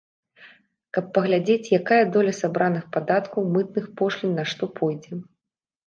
Каб паглядзець, якая доля сабраных падаткаў, мытных пошлін на што пойдзе.